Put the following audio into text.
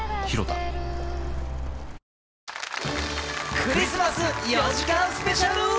クリスマス４時間スペシャル。